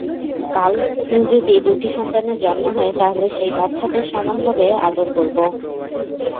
কাল যদি দুটি সন্তানের জন্ম হয়, তাহলে সেই বাচ্ছাদের সমানভাবে আদর করবো।